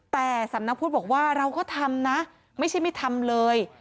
แต่สำนักพุทธบอกว่าเราก็ทำนะไม่ใช่ไม่ทำเลย